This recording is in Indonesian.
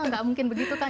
nggak mungkin begitu kan